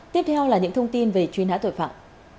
tiếp theo là những thông tin về truy nã tội phạm